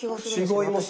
違いますね。